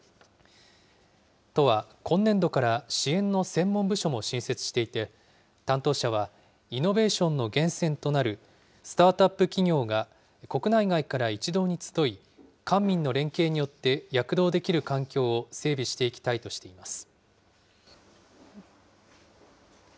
都は、今年度から支援の専門部署も新設していて、担当者はイノベーションの源泉となるスタートアップ企業が国内外から一堂に集い、官民の連携によって躍動できる環境を整備していきたいとしています。